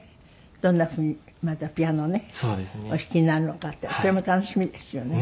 どんな風にまたピアノをねお弾きになるのかってそれも楽しみですよね。